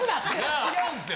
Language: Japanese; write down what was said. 違うんすよ。